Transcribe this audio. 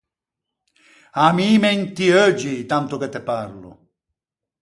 Ammiime inti euggi tanto che te parlo!